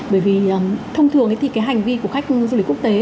bởi vì thông thường thì cái hành vi của khách du lịch quốc tế